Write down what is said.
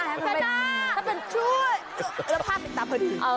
ขนาดถ้าเป็นช่วยแล้วพาไปจับเถอะดี